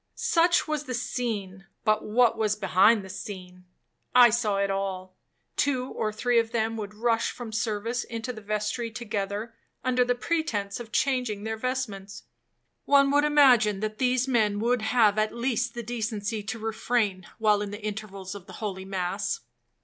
Such was the scene, but what was behind the scene?—I saw it all. Two or three of them would rush from service into the vestry together, under the pretence of changing their vestments. One would imagine that these men would have at least the decency to refrain, while in the intervals of the holy mass.